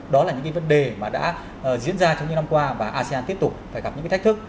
đó là những vấn đề mà đã diễn ra trong những năm qua và asean tiếp tục phải gặp những cái thách thức